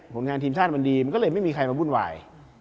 ผลงานทีมชาติมันดีมันก็เลยไม่มีใครมาวุ่นวาย